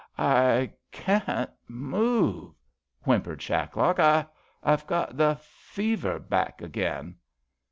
I can't move," whimpered Shacklock. *' I've got the fever back again."